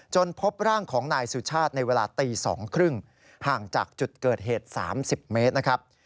พบร่างของนายสุชาติในเวลาตี๒๓๐ห่างจากจุดเกิดเหตุ๓๐เมตรนะครับ